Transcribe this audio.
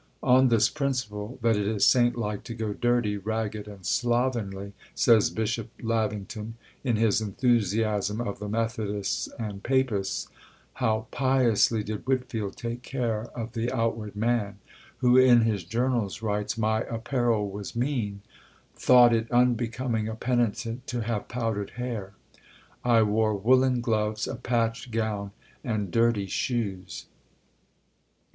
On this principle, that it is saint like to go dirty, ragged and slovenly, says Bishop Lavington, in his "Enthusiasm of the Methodists and Papists," how piously did Whitfield take care of the outward man, who in his journals writes, "My apparel was mean thought it unbecoming a penitent to have powdered hair. I wore woollen gloves, a patched gown, and _dirty shoes!